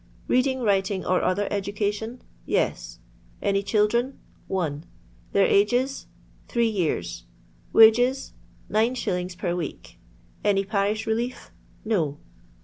Beading, writing, or other education ?— Yes. Any children 1 — One. Their ages t — Three years. Wages f— Nine shillings per week. Any parish relief 1 — No.